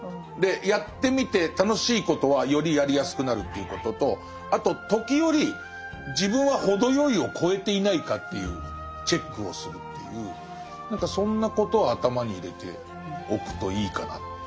やってみて楽しいことはよりやりやすくなるということとあと時折自分は程よいを超えていないかというチェックをするっていう何かそんなことを頭に入れておくといいかな。